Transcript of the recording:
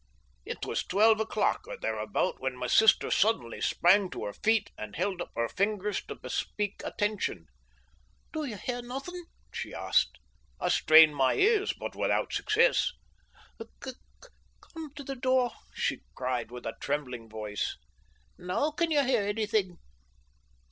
It was twelve o'clock or thereabout when my sister suddenly sprang to her feet and held up her fingers to bespeak attention. "Do you hear nothing?" she asked. I strained my ears, but without success. "Come to the door," she cried, with a trembling voice. "Now can you hear anything?"